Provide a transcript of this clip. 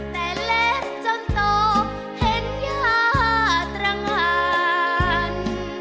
แต่เล่นจนโตเห็นยาตรงหัน